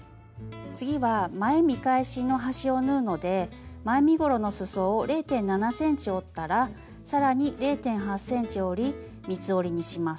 次は前見返しの端を縫うので前身ごろのすそを０．７ｃｍ折ったら更に０．８ｃｍ折り三つ折りにします。